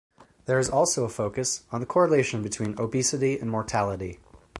There is also a focus on the correlation between obesity and mortality.